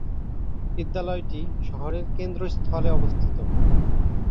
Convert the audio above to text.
বিদ্যালয়টি শহরের কেন্দ্রস্থলে অবস্থিত।